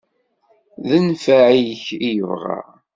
D nfeɛ-ik i yebɣa.